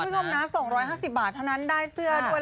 คุณผู้ชมนะ๒๕๐บาทเท่านั้นได้เสื้อด้วย